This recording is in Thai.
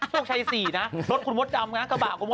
ช่วงชัย๔นะรถคุณมดดำนะกระบะคุณมดดำ